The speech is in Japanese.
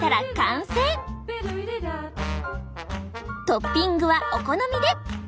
トッピングはお好みで。